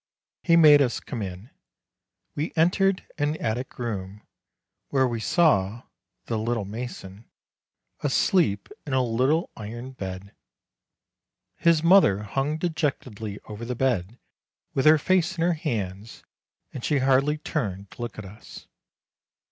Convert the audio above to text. He made us come in. We entered an attic room, where we saw "the little mason" asleep in a little iron bed; his mother hung dejectedly over the bed, with her face in her hands, and she hardly turned to look at us.